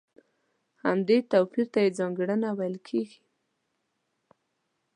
همدې توپير ته يې ځانګړنه ويل کېږي.